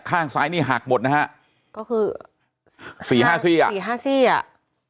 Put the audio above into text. ข้างซ้ายนี่หักหมดนะฮะก็คือสี่ห้าซี่อ่ะสี่ห้าซี่อ่ะ